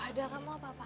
fadal kamu apa apaan sih